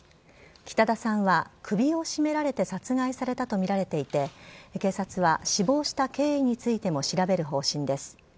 北田さんは首を絞められて殺害されたと見られていて、警察は死亡した経緯についても調べる方針です。